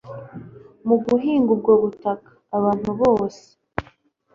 mu guhinga ubwo butaka. Abantu bose